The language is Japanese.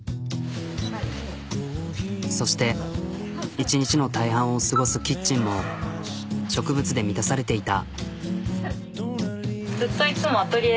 そして１日の大半を過ごすキッチンも植物で満たされていた。